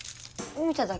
見ただけ？